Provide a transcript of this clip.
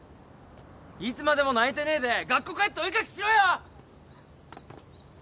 いつまでも泣いてねえで学校帰ってお絵描きしろよ！